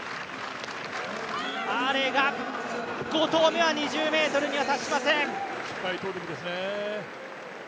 アーレイが５投目は２０ｍには達しません。